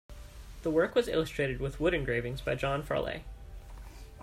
The work was illustrated with wood-engravings by John Farleigh.